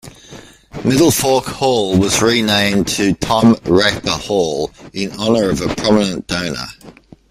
Middlefork Hall was renamed to Tom Raper Hall, in honor of a prominent donor.